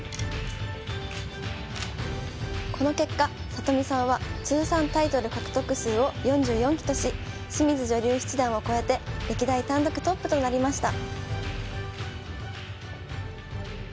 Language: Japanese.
この結果里見さんは通算タイトル獲得数を４４期とし清水女流七段を超えて歴代単独トップとなりました。